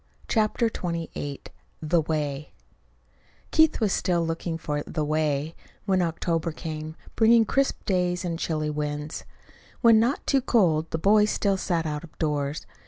CHAPTER XXVIII THE WAY Keith was still looking for "the way," when October came, bringing crisp days and chilly winds. When not too cold, the boys still sat out of doors.